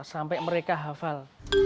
sampai mereka hafal